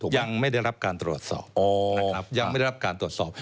ยังไม่ได้รับการตรวจสอบ